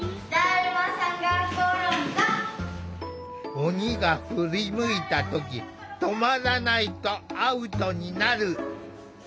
オニが振り向いた時止まらないとアウトになる。